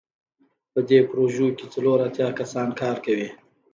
په دې پروژه کې څلور اتیا کسان کار کوي.